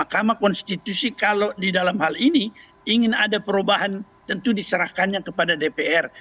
mahkamah konstitusi kalau di dalam hal ini ingin ada perubahan tentu diserahkannya kepada dpr